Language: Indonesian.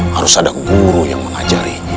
harus ada guru yang mengajari